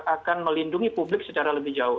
akan melindungi publik secara lebih jauh